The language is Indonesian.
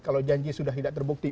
kalau janji sudah tidak terbukti